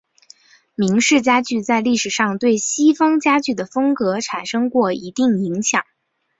明式家具在历史上对西方家具的风格产生过一定影响。